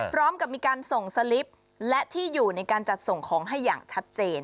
พร้อมกับมีการส่งสลิปและที่อยู่ในการจัดส่งของให้อย่างชัดเจน